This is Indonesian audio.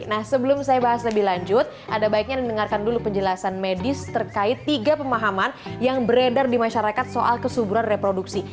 nah sebelum saya bahas lebih lanjut ada baiknya dengarkan dulu penjelasan medis terkait tiga pemahaman yang beredar di masyarakat soal kesuburan reproduksi